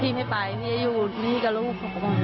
พี่ไม่ไปพี่อยู่นี่กับลูก